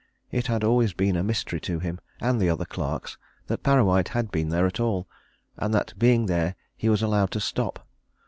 It had always been a mystery to him and the other clerks that Parrawhite had been there at all, and that being there he was allowed to stop.